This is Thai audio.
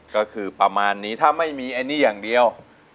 ก็คือประมาณนี้ถ้าไม่มีอันนี้อย่างเดียว